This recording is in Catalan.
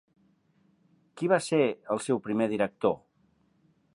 Qui va ser el seu primer director?